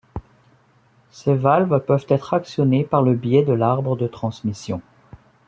Ces valves peuvent être actionnées par le biais de l'arbre de transmission.